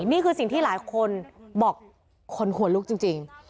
นี่คือสิ่งที่หลายคนบอกคนหัวลุกจริง